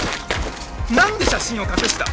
なんで写真を隠した？